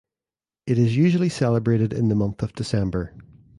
It is usually celebrated in the month of December.